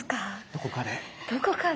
どこかで。